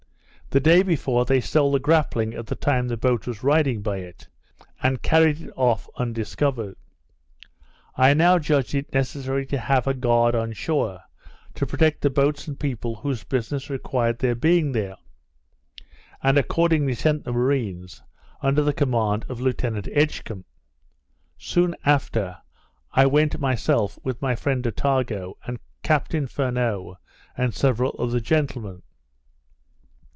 The day before, they stole the grapling at the time the boat was riding by it, and carried it off undiscovered. I now judged it necessary to have a guard on shore, to protect the boats and people whose business required their being there; and accordingly sent the marines, under the command of Lieutenant Edgcumbe. Soon after I went myself, with my friend Attago, Captain Furneaux, and several of the gentlemen.